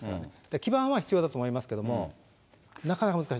基盤は必要だと思いますけど、なかなか難しい。